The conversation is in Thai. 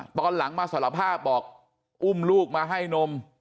ตอนหลังมาสารภาพบอกอุ้มลูกมาให้นม